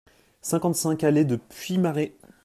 cinquante-cinq allée de Puymaret